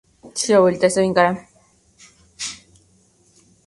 Esta pequeña estación posee dos andenes laterales y dos vías.